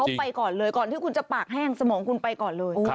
ไปก่อนเลยก่อนที่คุณจะปากแห้งสมองคุณไปก่อนเลย